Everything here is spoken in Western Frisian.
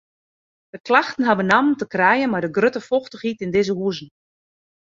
De klachten ha benammen te krijen mei de grutte fochtichheid yn dizze huzen.